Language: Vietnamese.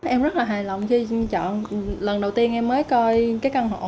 em rất là hài lòng khi chọn lần đầu tiên em mới coi cái căn hộ